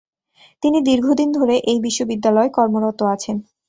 তিনি দীর্ঘদিন ধরে এই বিশ্ববিদ্যালয়ে কর্মরত আছেন।